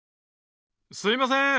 すいません！